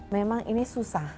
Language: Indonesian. memang ini susah